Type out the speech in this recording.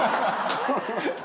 ハハハ！